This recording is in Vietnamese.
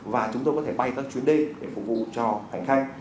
và chúng tôi có thể bay các chuyến đi để phục vụ cho hành khách